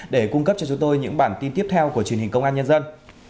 để cung cấp cho chúng tôi những bản tin tiếp theo của truyền hình công an nhân dân